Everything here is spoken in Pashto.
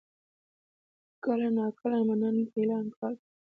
کله ناکله «مننه» د اعلان کار کوي.